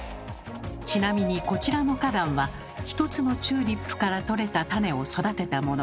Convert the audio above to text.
ちなみにこちらの花壇は一つのチューリップからとれた種を育てたもの。